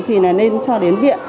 thì là nên cho đến viện